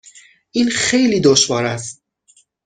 این خیلی دشوار است.